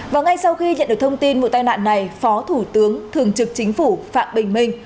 và ngay sau khi nhận được thông tin vụ tai nạn này phó thủ tướng thường trực chính phủ phạm bình minh